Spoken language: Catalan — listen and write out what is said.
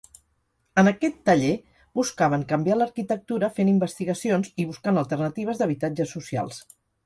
En aquest taller buscaven canviar l'arquitectura fent investigacions i buscant alternatives d'habitatges socials.